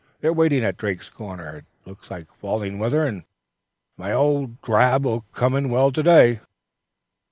They are waiting at Drake's corner. It looks like falling weather and my old drab will come in well to day."